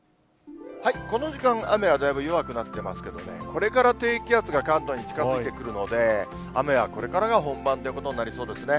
この時間、雨はだいぶ弱くなってますけどね、これから低気圧が関東に近づいてくるので、雨はこれからが本番ということになりそうですね。